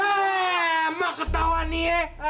emang ketauan nih ya